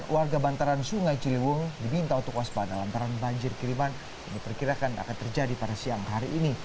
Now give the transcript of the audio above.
warga bantaran sungai ciliwung diminta untuk waspada lantaran banjir kiriman yang diperkirakan akan terjadi pada siang hari ini